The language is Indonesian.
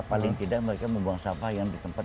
paling tidak mereka membuang sampah yang di tempat